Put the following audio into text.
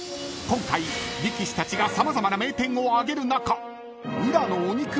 ［今回力士たちが様々な名店をあげる中］